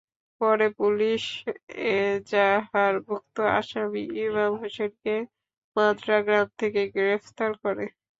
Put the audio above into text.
পরে পুলিশ এজাহারভুক্ত আসামি ইমাম হোসেনকে মাদ্রা গ্রাম থেকে গ্রেপ্তার করে।